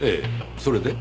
それで？